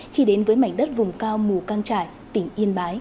khi đến với mảnh đất vùng cao mù căng trải tỉnh yên bái